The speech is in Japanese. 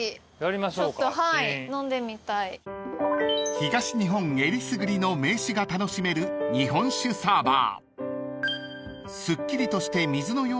［東日本えりすぐりの銘酒が楽しめる日本酒サーバー］